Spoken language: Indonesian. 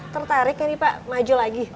tertarik ini pak maju lagi